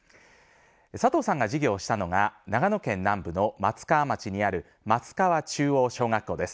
佐藤さんが授業したのが長野県南部の松川町にある松川中央小学校です。